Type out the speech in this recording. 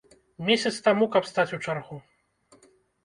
Месяц таму, каб стаць у чаргу!